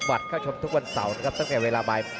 บัตรเข้าชมทุกวันเสาร์นะครับตั้งแต่เวลาบ่าย